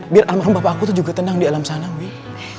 biar almarhum papa aku juga tenang di alam sana wih